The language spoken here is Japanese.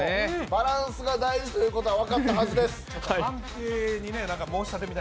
バランスが大事ということは分かったはずです。